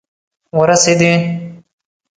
ورسیدي